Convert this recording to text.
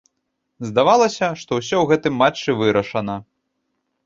Здавалася, што ўсё ў гэтым матчы вырашана.